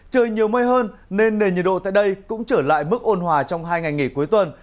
trời nhiều mây hơn nên nền nhiệt độ tại đây cũng trở lại mức ôn hòa trong hai ngày nghỉ cuối tuần